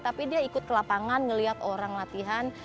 tapi dia ikut ke lapangan ngeliat orang latihan